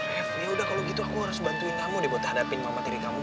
rev ya udah kalo gitu aku harus bantuin kamu deh buat terhadapin mama tilly kamu